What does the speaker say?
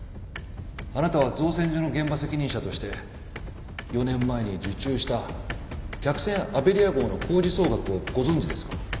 あなたは造船所の現場責任者として４年前に受注した客船アベリア号の工事総額をご存じですか？